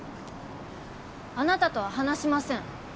あなたとは話しません